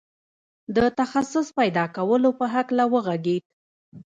د تخصص پيدا کولو په هکله وغږېد.